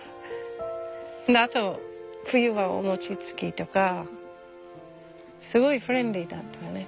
あと冬はお餅つきとかすごいフレンドリーだったね。